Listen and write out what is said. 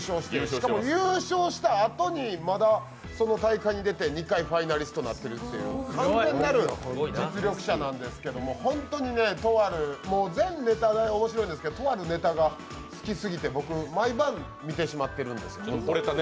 しかも優勝したあとに、まだその大会に出て２回ファイナリストになっているという、完全なる実力者なんですけども、本当に、とある全ネタ面白いんですけどとあるネタが好きすぎて毎晩見てしまっているんです。